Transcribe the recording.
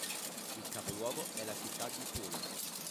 Il capoluogo è la città di Puna.